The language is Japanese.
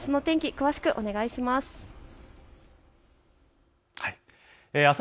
あすの天気、詳しくお願いします。